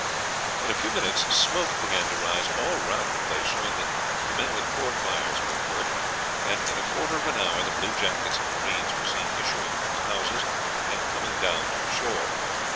In a few minutes smoke began to rise all round the place, showing that the men with port fires were at work, and in a quarter of an hour the bluejackets and marines were seen issuing from the houses and coming down to the shore.